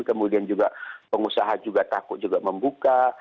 kemudian juga pengusaha juga takut juga membuka